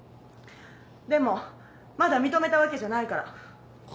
でもまだ認めたわけじゃないから！